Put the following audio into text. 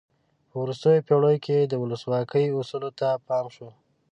په وروستیو پیړیو کې د ولسواکۍ اصولو ته پام شو.